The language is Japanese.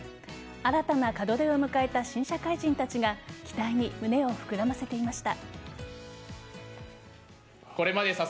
新たな門出を迎えた新社会人たちが期待に胸を膨らませていました。